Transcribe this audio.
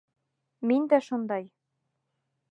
Мин дә шундай!